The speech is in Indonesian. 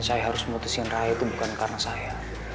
saya harus memutuskan raya itu bukan karena saya